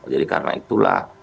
jadi karena itulah